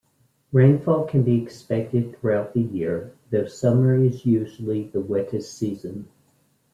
Rainfall can be expected throughout the year though summer is usually the wettest season.